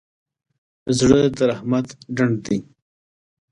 زړه د رحمت ډنډ دی.